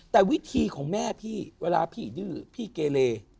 แต่วิธีของแม่พี่เวลาพี่ดื้อพี่เกเล